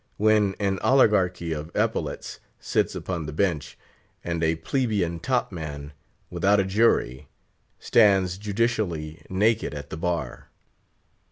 when an oligarchy of epaulets sits upon the bench, and a plebeian top man, without a jury, stands judicially naked at the bar?